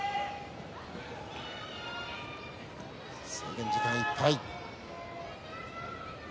制限時間いっぱいです。